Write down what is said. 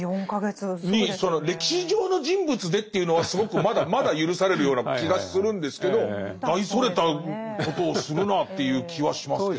歴史上の人物でというのはすごくまだまだ許されるような気がするんですけど大それたことをするなっていう気はしますけど。